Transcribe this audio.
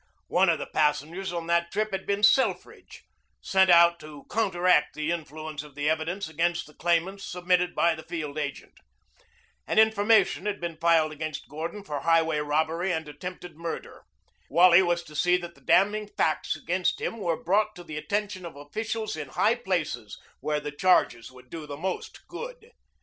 One of the passengers on that trip had been Selfridge, sent out to counteract the influence of the evidence against the claimants submitted by the field agent. An information had been filed against Gordon for highway robbery and attempted murder. Wally was to see that the damning facts against him were brought to the attention of officials in high places where the charges would do most good.